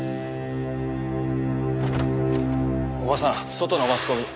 叔母さん外のマスコミ。